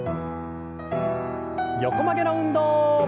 横曲げの運動。